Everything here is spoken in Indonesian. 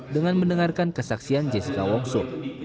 dengan mendengarkan kesaksian jessica wongso